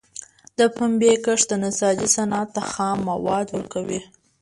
د پنبي کښت د نساجۍ صنعت ته خام مواد ورکوي.